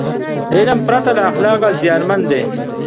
علم پرته له اخلاقه زیانمن دی.